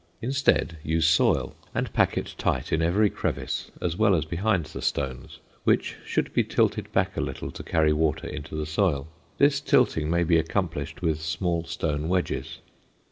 Instead use soil and pack it tight in every crevice as well as behind the stones, which should be tilted back a little to carry water into the soil. This tilting may be accomplished with small stone wedges.